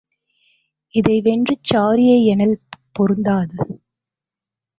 இதை வெற்றுச் சாரியை எனல் பொருந்தாது.